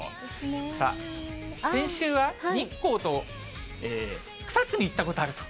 さあ、先週は日光と草津に行ったことがあると。